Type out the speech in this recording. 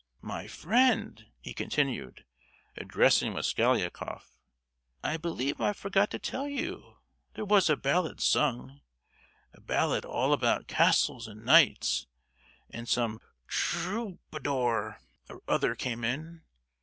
"My friend," he continued, addressing Mosgliakoff, "I believe I forgot to tell you, there was a ballad sung—a ballad all about castles and knights; and some trou—badour or other came in.